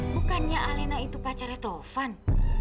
bukannya alena itu pacarnya tovan